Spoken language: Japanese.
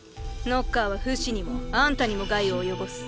ノッカーはフシにもあんたにも害を及ぼす。